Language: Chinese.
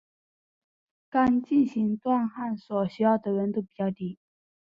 钢进行锻焊所需要的温度比铁低。